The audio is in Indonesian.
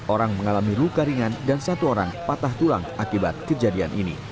empat orang mengalami luka ringan dan satu orang patah tulang akibat kejadian ini